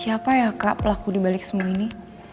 siapa ya kak pelaku dibalik semua ini